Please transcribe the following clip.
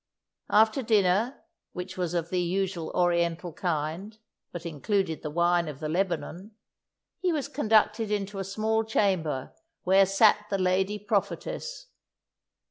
After dinner, which was of the usual Oriental kind, but included the wine of the Lebanon, he was conducted into a small chamber where sat the lady prophetess.